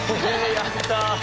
やった！